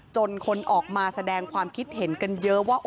จนคนออกมาแสดงความคิดเห็นกันเยอะว่า